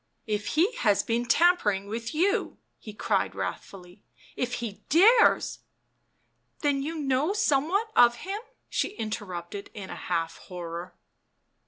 " If he has been tampering with you," he cried wrathfully, " if he dares "" Then you know somewhat of him 1 " she inter rupted in a half horror.